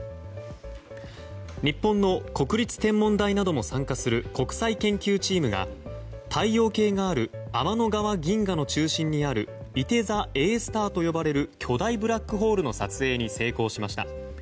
日本の国立天文台なども参加する国際研究チームが太陽系がある天の川銀河の中心にあるいて座Ａスターと呼ばれる巨大ブラックホールの撮影に成功しました。